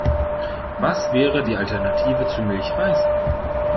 Was wäre die Alternative zu Milchreis?